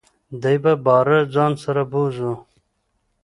دی به باره دځان سره بوزو .